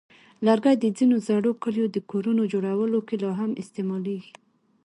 لرګي د ځینو زړو کلیو د کورونو جوړولو کې لا هم استعمالېږي.